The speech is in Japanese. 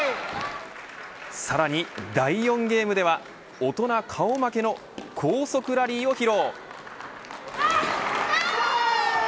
さらに第４ゲームでは大人顔負けの高速ラリーを披露。